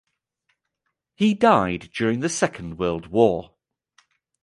He died during the Second World War.